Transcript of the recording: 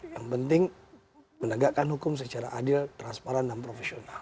yang penting menegakkan hukum secara adil transparan dan profesional